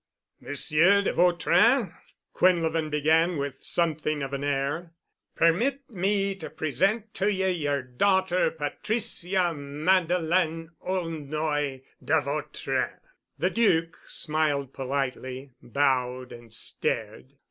"Monsieur de Vautrin," Quinlevin began with something of an air, "permit me to present to ye yer daughter, Patricia Madeleine Aulnoy de Vautrin." The Duc smiled politely, bowed—and stared.